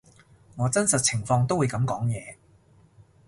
我真實情況都會噉講嘢